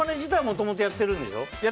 もともとやってるんでしょ？